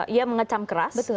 yang mengecam keras